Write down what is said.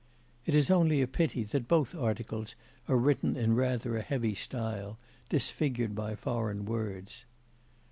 It is only a pity that both articles are written in rather a heavy style, disfigured by foreign words.